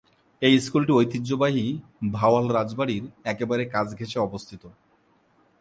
এই স্কুলটি ঐতিহ্যবাহী ভাওয়াল রাজবাড়ীর একেবারে কাছ ঘেঁষে অবস্থিত।